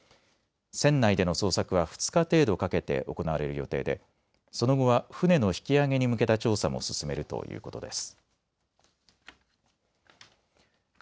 船内での捜索は２日程度かけて行われる予定でその後は船の引き揚げに向けた調査も進めるということです。